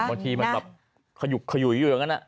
บางทีมันแบบขยุกขยุยอยู่อย่างนั้น